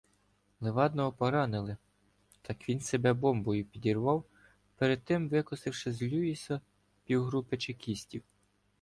Левадного поранили, так він себе бомбою підірвав, перед тим викосивши з "Люїса" півгрупи чекістів.